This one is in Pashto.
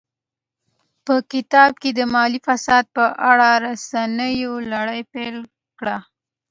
په کتاب کې د مالي فساد په اړه رسواینو لړۍ پیل کړه.